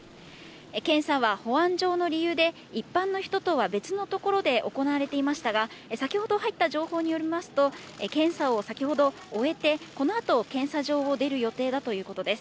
検査は保安上の理由で、一般の人とは別の所で行われていましたが、先ほど入った情報によりますと、検査を先ほど終えて、このあと検査場を出る予定だということです。